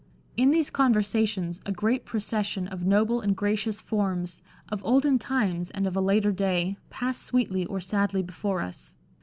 In these Conversations a great procession of noble and gracious forms, of olden times and of a later day, pass sweetly or sadly before us.